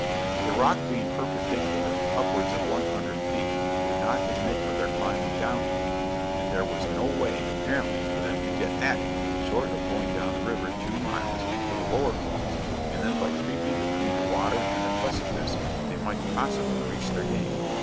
The rock being perpendicular, upwards of one hundred feet, would not admit of their climbing down to it, and there was no way, apparently, for them to get at it, short of going down the river two miles, to the lower falls, and then by creeping between the water and the precipice, they might possibly reach their game.